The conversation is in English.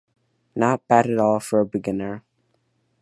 Not bad at all for a beginner.